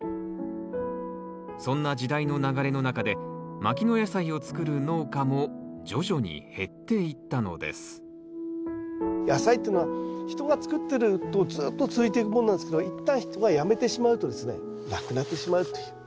そんな時代の流れの中で牧野野菜を作る農家も徐々に減っていったのです野菜ってのは人が作ってるとずっと続いていくものなんですけど一旦人がやめてしまうとですねなくなってしまうという。